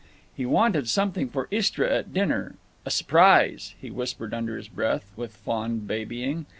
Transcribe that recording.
He wanted something for Istra at dinner—"a s'prise," he whispered under his breath, with fond babying.